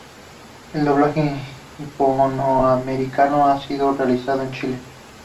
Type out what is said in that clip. El doblaje hispanoamericano ha sido realizado en Chile.